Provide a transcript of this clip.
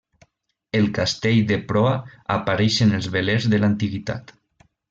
El castell de proa apareix en els velers de l'antiguitat.